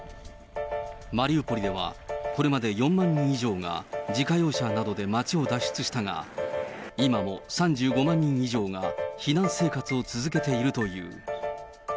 マリウポリでは、これまで４万人以上が自家用車などで街を脱出したが、今も３５万人以上が避難生活を続けているという。